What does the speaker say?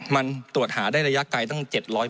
มันตรวจหาได้ระยะไกลตั้ง๗๐๐เมตรครับ